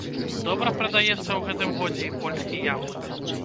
Добра прадаецца ў гэтым годзе і польскі яблык.